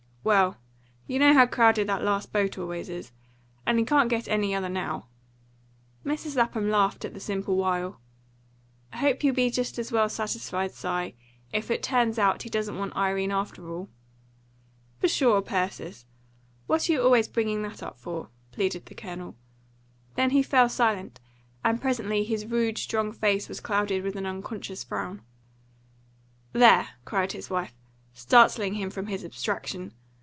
"Well, you know how crowded that last boat always is, and he can't get any other now." Mrs. Lapham laughed at the simple wile. "I hope you'll be just as well satisfied, Si, if it turns out he doesn't want Irene after all." "Pshaw, Persis! What are you always bringing that up for?" pleaded the Colonel. Then he fell silent, and presently his rude, strong face was clouded with an unconscious frown. "There!" cried his wife, startling him from his abstraction.